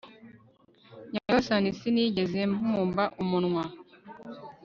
nyagasani, sinigeze mbumba umunwa